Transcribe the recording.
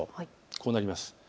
こうなります。